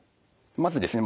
まずですね